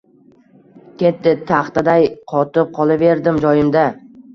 Ketdi! Taxtaday qotib qolaverdim joyimda.